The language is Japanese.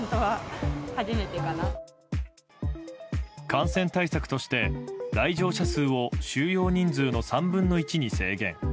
感染対策として来場者数を収容人数の３分の１に制限。